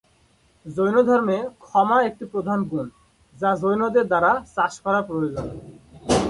জৈনধর্মে ক্ষমা একটি প্রধান গুণ যা জৈনদের দ্বারা চাষ করা প্রয়োজন।